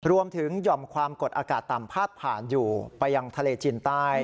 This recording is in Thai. หย่อมความกดอากาศต่ำพาดผ่านอยู่ไปยังทะเลจีนใต้